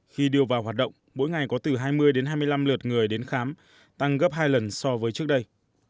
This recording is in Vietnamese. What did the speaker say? khi đưa vào hoạt động mỗi ngày có từ hai mươi đến hai mươi năm lượt người đến khám tăng gấp hai lần so với trước đây